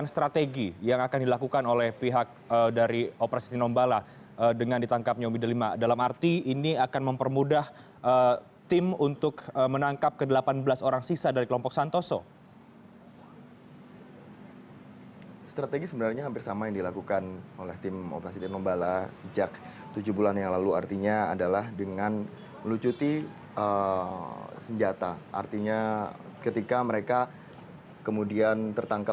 sebagai upaya untuk melemahkan tim operasi tinobala